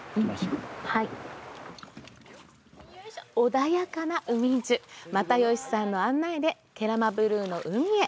穏やかな海人、又吉さんの案内でケラマブルーの海へ。